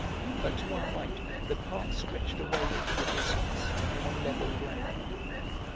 But to our right the park stretched away into the distance, on level ground.